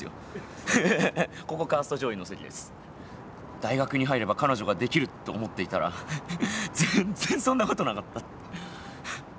大学に入れば彼女ができると思っていたら全然そんなことなかった。